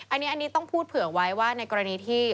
อันนี้ต้องพูดเผื่อไว้ว่าในกรณีที่